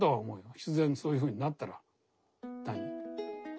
必然そういうふうになったら。